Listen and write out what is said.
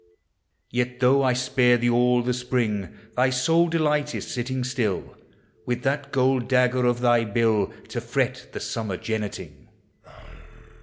Yet, tho' I spared thee all the spring, Thy sole delight is, sitting still, With that gold dagger of thy bill To fret the summer jenneting.